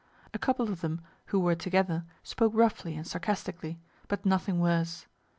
A couple of them, who were together, spoke roughly and sarcastically, but nothing worse.